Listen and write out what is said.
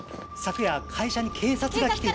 昨夜会社に警察が。